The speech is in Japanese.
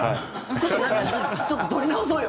だからちょっと撮り直そうよ